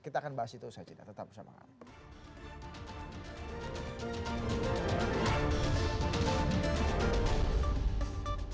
kita akan bahas itu saja tetap bersama kami